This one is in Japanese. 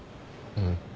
うん。